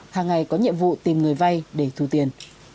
hàng ngày có nhiệm vụ tìm người vay để thu tiền